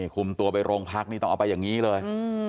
คุมตัวไปโรงพักนี่ต้องเอาไปอย่างนี้เลย